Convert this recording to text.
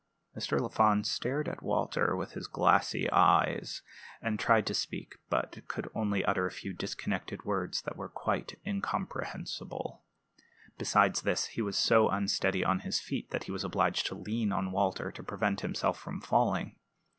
Mr. Lafond stared at Walter with his glassy eyes, and tried to speak, but could only utter a few disconnected words that were quite incomprehensible. Besides this, he was so unsteady on his feet that he was obliged to lean on Walter to prevent himself from falling.